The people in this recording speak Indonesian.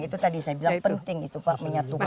itu tadi saya bilang penting itu pak menyatukan